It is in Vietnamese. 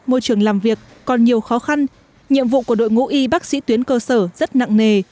môi trường làm việc còn nhiều khó khăn nhiệm vụ của đội ngũ y bác sĩ tuyến cơ sở rất nặng nề